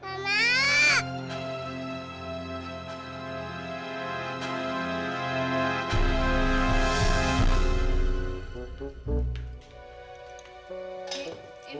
makasih ya dong